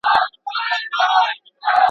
زه پرون لوبه وکړه!.